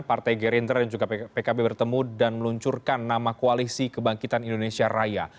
partai gerindra dan juga pkb bertemu dan meluncurkan nama koalisi kebangkitan indonesia raya